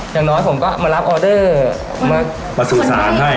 อย่างน้อยผมก็มารับออเดอร์มาสู่สารให้